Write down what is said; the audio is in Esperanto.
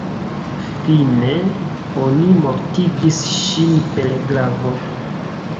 Fine, oni mortigis ŝin per glavo.